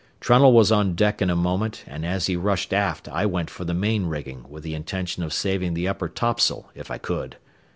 Trunnell was on deck in a moment, and as he rushed aft I went for the main rigging with the intention of saving the upper topsail if I could.